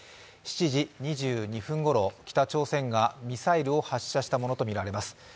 ７時２２分ごろ、北朝鮮がミサイルを発射したものとみられます。